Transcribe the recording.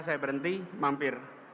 saya berhenti mampir